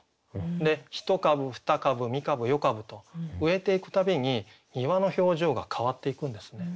で一株二株三株四株と植えていく度に庭の表情が変わっていくんですね。